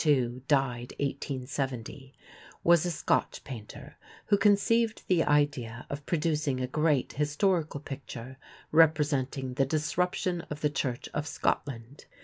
Hill_ TWO David Octavius Hill (born 1802, died 1870), was a Scotch painter who conceived the idea of producing a great historical picture representing the Disruption of the Church of Scotland.